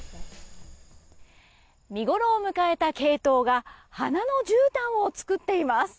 見ごろを迎えたケイトウが花のじゅうたんを作っています。